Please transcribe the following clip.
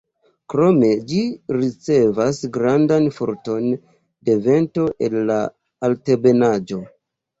Krome ĝi ricevas grandan forton de vento el la Altebenaĵo.